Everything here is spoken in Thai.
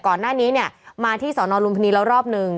ก่อนหน้านี้เนี่ยมาที่สอนอลุมพินีแล้วรอบหนึ่ง